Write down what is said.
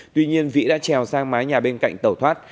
tuy nhiên vĩ đã trèo sang mái nhà bên cạnh tàu thoát